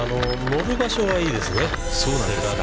乗る場所はいいですね。